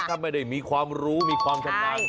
ถ้าไม่ได้มีความรู้มีความชำนาญ